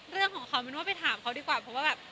เรื่องของเขามินว่าไปถามเขาดีกว่าเพราะว่าแบบ